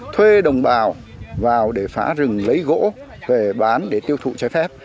thuê đồng bào vào để phá rừng lấy gỗ về bán để tiêu thụ trái phép